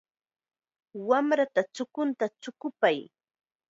Wamrata chukunta chukupay.